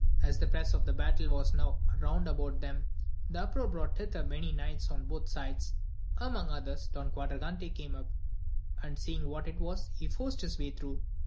As the press of the battle was i^ow round about them, the uproar brought thither many knights on both sides ; among others Don Quadragante came up, and seeing what it was, he forced his way through.